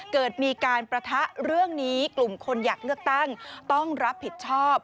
เกิดมีการประทะเรื่องนี้กลุ่มคนอยากเลือกตั้งต้องรับผิดชอบ